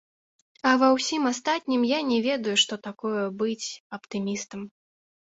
А ва ўсім астатнім я не ведаю, што такое быць аптымістам.